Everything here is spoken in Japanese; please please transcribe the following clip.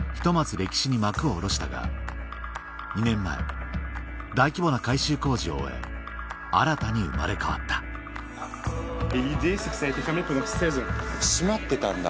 歴史に幕を下ろしたが２年前大規模な改修工事を終え新たに生まれ変わった閉まってたんだ